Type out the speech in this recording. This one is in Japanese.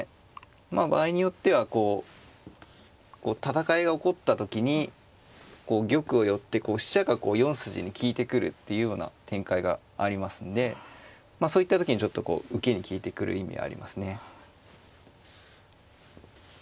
場合によってはこう戦いが起こった時に玉を寄って飛車が４筋に利いてくるというような展開がありますのでそういった時にちょっとこう受けに利いてくる意味はありますね。